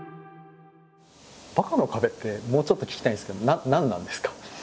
「バカの壁」ってもうちょっと聞きたいんですけど何なんですか？